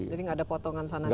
jadi nggak ada potongan sana sini